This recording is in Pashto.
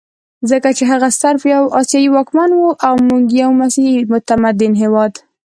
ځکه چې هغه صرف یو اسیایي واکمن وو او موږ یو مسیحي متمدن هېواد.